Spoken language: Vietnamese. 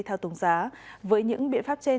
theo tổng giá với những biện pháp trên